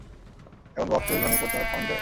এখন বক তুই, ভানুপ্রতাপ পাণ্ডে।